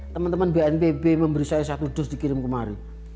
teman teman bnpb memberi saya satu dus dikirim kemari